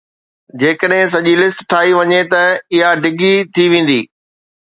جيڪڏهن سڄي لسٽ ٺاهي وڃي ته اها ڊگهي ٿي ويندي.